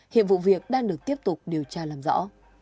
hiện vụ việc đang được tiếp tục điều tra làm rõ